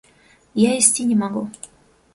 Я ісці не магу.